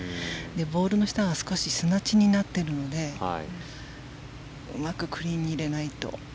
ボールの下が少し砂地になっているのでうまくクリーンに入れないと。